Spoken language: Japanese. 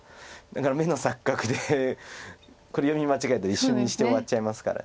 だから目の錯覚でこれ読み間違えたら一瞬にして終わっちゃいますから。